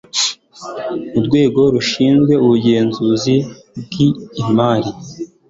Urwego rushinzwe ubugenzuzi bw imari